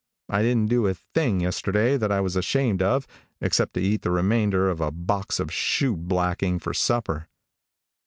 I didn't do a thing yesterday that I was ashamed of except to eat the remainder of a box of shoe blacking for supper.